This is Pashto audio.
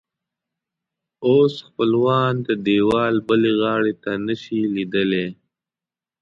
اوس خپلوان د دیوال بلې غاړې ته نه شي لیدلی.